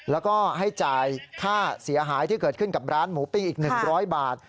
แล้วก็ให้จ่ายค่าเสียหายที่เกิดขึ้นกับร้านหมูปิ้งอีก๑๐๐บาท